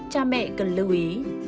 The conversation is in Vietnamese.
cha mẹ cần lưu ý